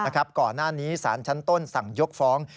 ก่อนหน้านี้สารชั้นต้นสั่งยกฟ้อง